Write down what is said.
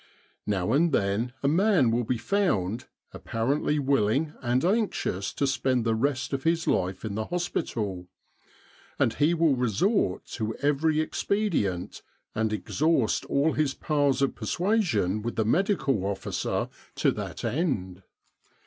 Now and then a man will be found, ap parently willing and anxious to spend the rest of his life in the hospital; and he will resort to every ex 290 The Egyptian Labour Corps pedient, and exhaust all his powers of persuasion with the Medical Officer to that end.